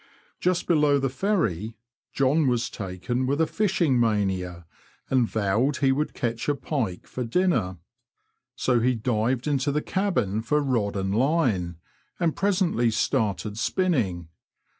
Just below the ferry, John was taken with a fishing mania, and vowed he would catch a pike for dinner. So he dived into the cabin for rod and line, and presently started spinning.